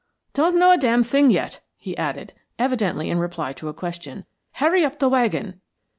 ... Don't know a damn thing yet," he added, evidently in reply to a question. "Hurry up the wagon."